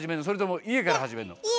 それとも「家」から始めるの？